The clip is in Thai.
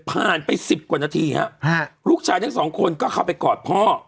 ไป๑๐กว่านาทีฮะลูกชายทั้งสองคนก็เข้าไปกอดพ่อ